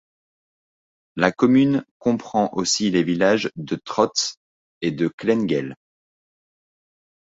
La commune comprend aussi les villages de Trotz et de Klengel.